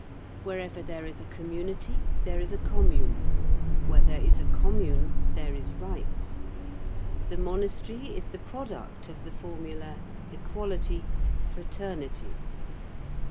Wherever there is a community, there is a commune; where there is a commune, there is right. The monastery is the product of the formula: Equality, Fraternity.